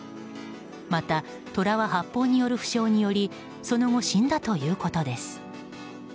また、トラは発砲による負傷によりその後、死んだということです。